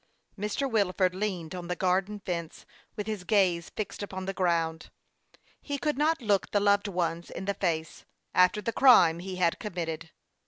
Mr. Wilford leaned on the garden fence, with his gaze fixed upon the ground. He could not look the loved ones in the face, after the crime he had com mitted.